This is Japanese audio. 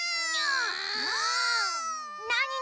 なに？